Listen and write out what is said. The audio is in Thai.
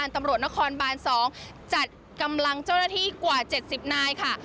ตำรวจนครบาน๒จัดกำลังเจ้าหน้าที่กว่า๗๐นายค่ะ